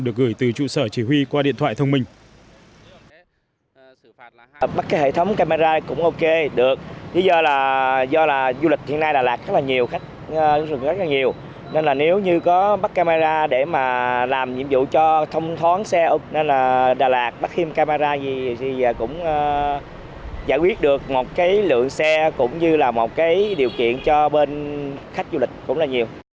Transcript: được gửi từ trụ sở chỉ huy qua điện thoại thông minh